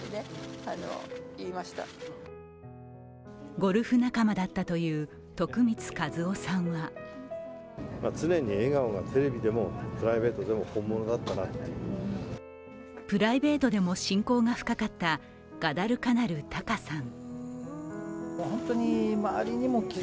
ゴルフ仲間だったという徳光和夫さんはプライベートでも親交が深かったガダルカナル・タカさん。